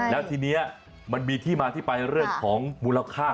และทีเนี้ยมันมีที่มาที่ไปเรื่องของมูลค่าของภาพ